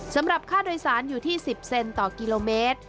สำหรับค่าโดยสารอยู่ที่๑๐เซนต่อกิโลเมตร